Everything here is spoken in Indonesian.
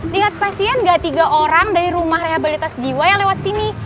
lihat pasien gak tiga orang dari rumah rehabilitas jiwa yang lewat sini